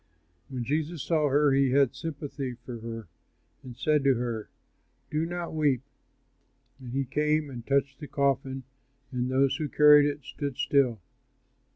When Jesus saw her, he had sympathy for her and said to her, "Do not weep." And he came and touched the coffin, and those who carried it stood still.